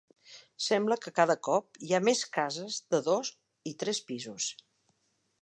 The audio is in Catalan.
Sembla que cada cop hi ha més cases de dos i tres pisos.